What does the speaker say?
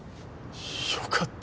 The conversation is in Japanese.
よかった。